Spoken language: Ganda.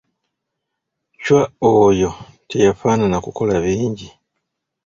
Chwa oyo teyafaanana kukola bingi.